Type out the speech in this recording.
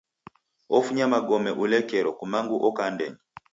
Ofunya magome ulekerelo kumangu oka andenyi.